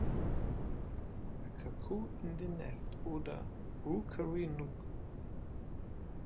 „A Cuckoo in the Nest“ oder „Rookery Nook“.